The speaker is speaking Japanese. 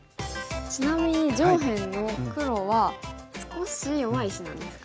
ちなみに上辺の黒は少し弱い石なんですか？